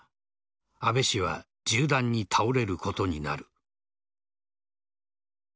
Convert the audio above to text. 安倍氏は銃弾に倒れることになる。